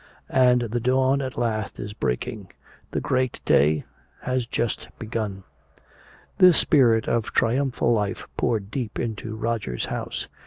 And the dawn at last is breaking. The great day has just begun." This spirit of triumphal life poured deep into Roger's house.